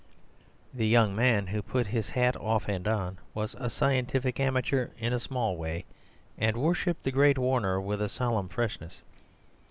The young man who put his hat off and on was a scientific amateur in a small way, and worshipped the great Warner with a solemn freshness.